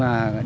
các mô hình